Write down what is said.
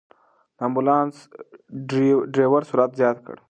د امبولانس ډرېور سرعت زیات کړ.